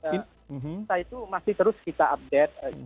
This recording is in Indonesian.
kita itu masih terus kita update